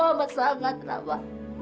kamu amat amat sangat rama